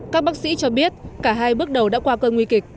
các bác sĩ cho biết cả hai bước đầu đã qua cơn nguy kịch